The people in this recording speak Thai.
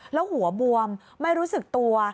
แล้วหัวบวมไม่รู้สึกตัว